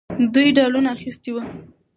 دوی ډالونه اخیستي وو.